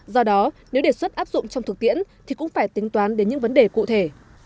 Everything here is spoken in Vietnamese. do đó nếu đề xuất áp dụng trong thực tiễn thì cũng phải tính toán đến những vấn đề cụ thể